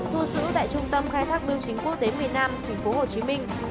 thu giữ tại trung tâm khai thác bưu trí quốc tế miền nam thành phố hồ chí minh